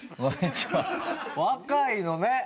若いのね！